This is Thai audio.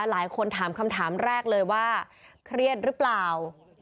หลายคนถามคำถามแรกเลยว่าเครียดหรือเปล่า